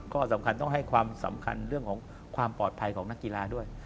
ก็ต้องให้เลยความสำคัญเรื่องความปลอดภัยของนักกีฬา